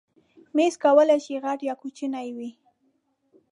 مېز کولی شي غټ یا کوچنی وي.